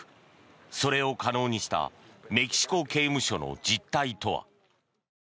それを可能にしたメキシコ刑務所の実態とは。